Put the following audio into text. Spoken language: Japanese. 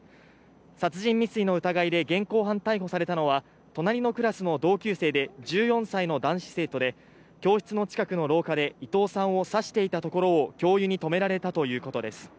殺人未遂の疑いで現行犯逮捕されたのは、隣のクラスの同級生で１４歳の男子生徒で教室の近くの廊下で伊藤さんを刺していたところを教諭に止められたということです。